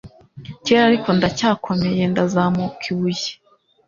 Kera ariko ndacyakomeye ndazamuka ibuye -